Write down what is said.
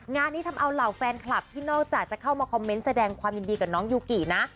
งานนี้ทำเอาเหล่าแฟนคลับที่นอกจากจะเข้ามาคอมเมนต์แสดงความยินดีกับน้องยูกินะ